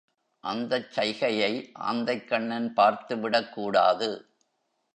அந்தச் சைகையை ஆந்தைக்கண்ணன் பார்த்து விடக்கூடாது.